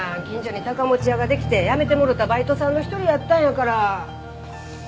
近所に高持屋ができて辞めてもろたバイトさんの一人やったんやから。